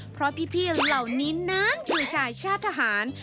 เพราะพี่เหล่านี้นั้นคือชายชาติทหาร